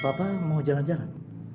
papa mau jalan jalan